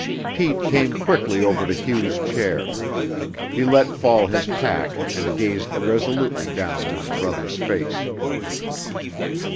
Pete came quickly over to Hugh's chair; he let fall his pack and gazed resolutely down at his brother's face.